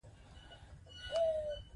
د ملالۍ مړی به ښخېږي.